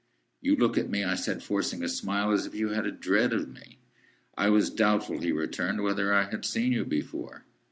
"You look at me," I said, forcing a smile, "as if you had a dread of me." "I was doubtful," he returned, "whether I had seen you before."